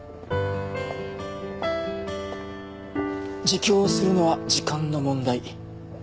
自供するのは時間の問題。